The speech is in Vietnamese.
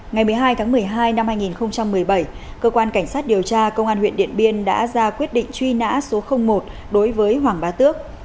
ngày một mươi hai tháng một mươi hai năm hai nghìn một mươi bảy cơ quan cảnh sát điều tra công an huyện điện biên đã ra quyết định truy nã số một đối với hoàng bá tước